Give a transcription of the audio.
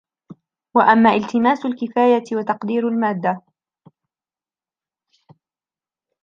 وَأَمَّا الْتِمَاسُ الْكِفَايَةِ وَتَقْدِيرُ الْمَادَّةِ